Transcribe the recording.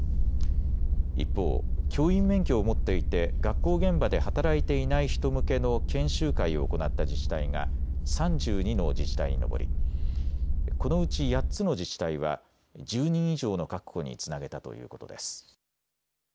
一方、教員免許を持っていて学校現場で働いていない人向けの研修会を行った自治体が３２の自治体に上りこのうち８つの自治体は１０人以上の確保につなげたということです。